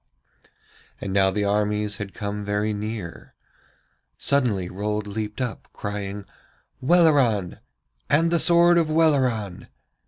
And now the armies had come very near. Suddenly Rold leaped up, crying: 'Welleran! And the sword of Welleran!'